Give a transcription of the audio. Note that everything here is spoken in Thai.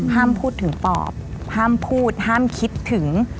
ห้ามพูดถึงปอบห้ามพูดห้ามคิดถึง